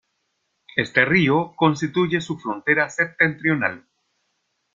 Este río constituye su frontera septentrional.